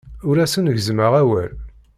Ur asen-gezzmeɣ awal.